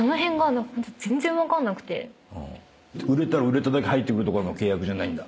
売れたら売れただけ入ってくるとかの契約じゃないんだ？